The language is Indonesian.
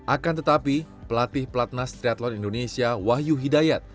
akan tetapi pelatih pelatnah striatlon indonesia wahyu hidayat